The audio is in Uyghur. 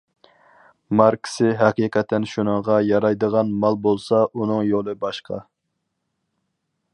ماركىسى ھەقىقەتەن شۇنىڭغا يارايدىغان مال بولسا ئۇنىڭ يولى باشقا.